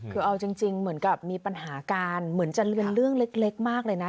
คือเอาจริงเหมือนกับมีปัญหาการเหมือนจะเรียนเรื่องเล็กมากเลยนะ